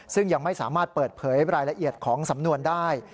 ซึ่งยังไม่สามารถเปิดเผยรายละเอียดของสำนวนได้